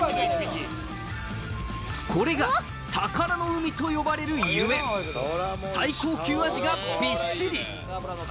これが宝の海と呼ばれるゆえん最高級あじがびっしり！